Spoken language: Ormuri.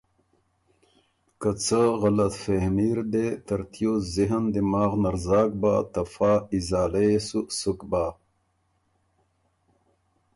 که څه غلطفهمي ر دې ترتیوس ذهن دماغ نر زاک بَۀ، ته فا ازاله يې سو سُک بَۀ۔